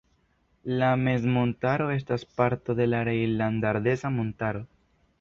La mezmontaro estas parto de la Rejnlanda Ardeza montaro.